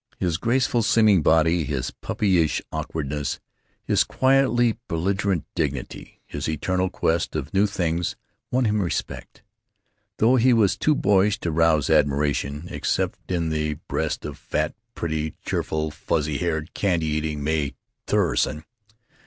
His graceful seeming body, his puppyish awkwardness, his quietly belligerent dignity, his eternal quest of new things, won him respect; though he was too boyish to rouse admiration, except in the breast of fat, pretty, cheerful, fuzzy haired, candy eating Mae Thurston.